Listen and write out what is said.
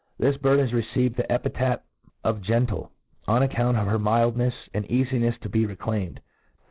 THIS bird has received the epithet of gen« tie, on account of her mildnefs, and cifinefs to be reclaimed.